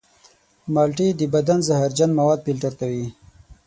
مالټې د بدن زهرجن مواد فلتر کوي.